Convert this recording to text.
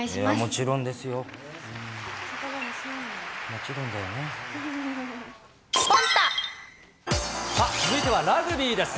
もちろんですよ。さあ、続いてはラグビーです。